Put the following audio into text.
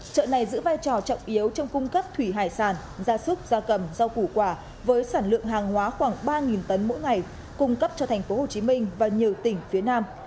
chợ này giữ vai trò trọng yếu trong cung cấp thủy hải sản gia súc gia cầm rau củ quả với sản lượng hàng hóa khoảng ba tấn mỗi ngày cung cấp cho tp hcm và nhiều tỉnh phía nam